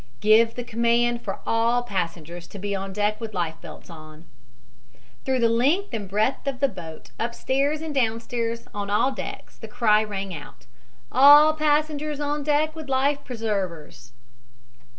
"Give the command for all passengers to be on deck with life belts on." Through the length and breadth of the boat, upstairs and downstairs, on all decks, the cry rang out: "All passengers on deck with life preservers."